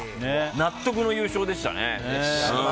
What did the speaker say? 納得の優勝でしたね。